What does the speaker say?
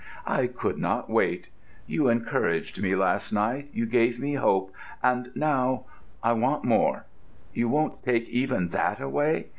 —I could not wait. You encouraged me last night, you gave me hope, and now—I want more. You won't take even that away?